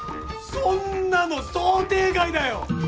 そんなの想定外だよ！